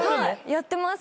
やってます。